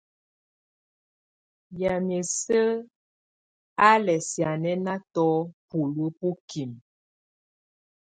Yamɛ̀á isǝ́ á lɛ̀ sianɛnatɔ̀ buluǝ́ bukimǝ.